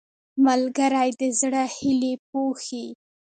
ملګری د زړه هیلې پوښي